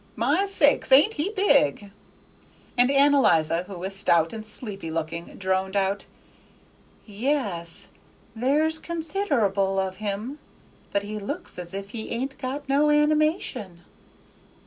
My sakes alive, ain't he big!" And Ann 'Liza, who was stout and sleepy looking, droned out, "Ye es, there's consider'ble of him; but he looks as if he ain't got no animation."